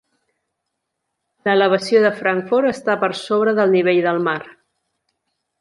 L'elevació de Frankfort està per sobre del nivell del mar.